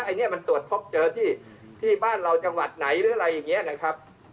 อันนี้มันตรวจพบเจอที่บ้านเราจังหวัดไหนหรืออะไรอย่างนี้นะครับ